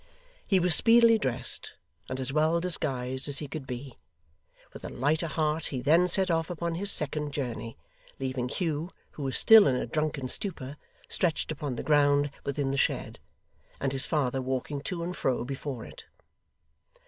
He was speedily dressed, and as well disguised as he could be. With a lighter heart he then set off upon his second journey, leaving Hugh, who was still in a drunken stupor, stretched upon the ground within the shed, and his father walking to and fro before it.